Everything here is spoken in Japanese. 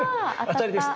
当たりです！